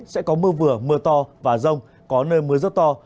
sẽ có mưa vừa mưa to và rông có nơi mưa rất to